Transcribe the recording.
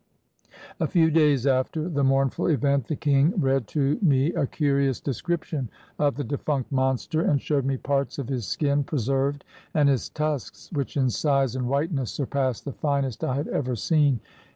A few days after the mournful event the king read to me a curious description of the defunct monster, and 267 SIAM showed me parts of his skin preserved, and his tusks, which in size and whiteness surpassed the finest I had ever seen.